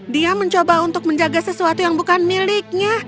dia mencoba untuk menjaga sesuatu yang bukan miliknya